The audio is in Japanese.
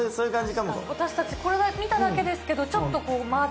私たちこれ見ただけですけどちょっとこう。